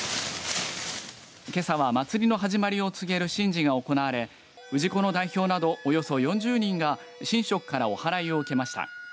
けさは祭りの始まりを告げる神事が行われ氏子の代表など、およそ４０人が神職からおはらいを受けました。